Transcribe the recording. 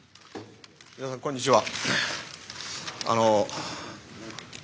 皆さんこんにちは。